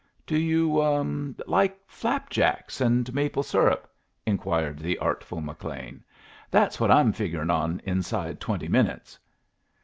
"Do you like flapjacks and maple syrup?" inquired the artful McLean. "That's what I'm figuring on inside twenty minutes."